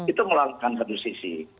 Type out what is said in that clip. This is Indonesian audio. itu melakukan keputus isi